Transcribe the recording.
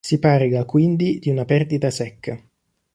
Si parla, quindi, di una perdita secca.